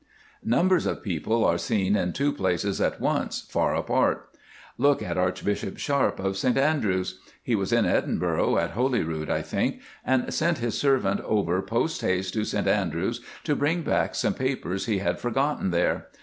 "Numbers of people are seen in two places at once far apart. Look at Archbishop Sharpe of St Andrews. He was in Edinburgh, at Holyrood I think, and sent his servant over post haste to St Andrews to bring back some papers he had forgotten there.